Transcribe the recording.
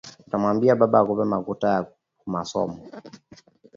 Uta mwambia baba akupe makuta ya kumasomo